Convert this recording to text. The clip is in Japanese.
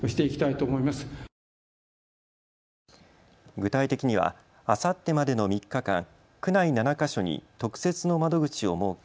具体的にはあさってまでの３日間、区内７か所に特設の窓口を設け